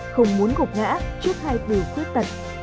không muốn gục ngã trước hai vụ khuyết tật